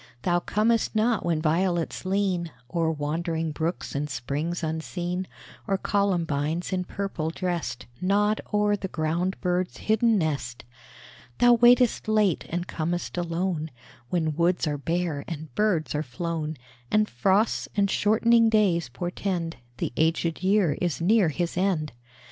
Thou comest not when violets lean O'er wandering brooks and springs unseen, Or columbines, in purple dressed, Nod o'er the ground bird's hidden nest. Thou waitest late and com'st alone, When woods are bare and birds are flown, And frosts and shortening days portend The aged year is near his end.